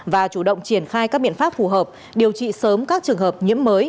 và chủ động triển khai các biện pháp phù hợp điều trị sớm các trường hợp nhiễm mới